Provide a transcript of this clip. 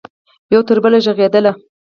یو تربله ږغیدله